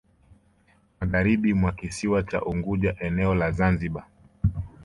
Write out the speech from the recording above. Magharibi mwa kisiwa cha Unguja eneo la Zanzibar